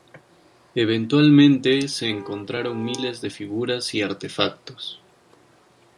Eventualmente se encontraron miles de figuras y artefactos.